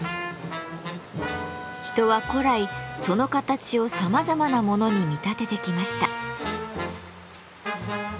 人は古来その形をさまざまなものに見立ててきました。